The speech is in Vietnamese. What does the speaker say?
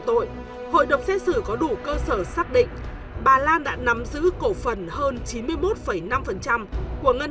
tội hội đồng xét xử có đủ cơ sở xác định bà lan đã nắm giữ cổ phần hơn chín mươi một năm của ngân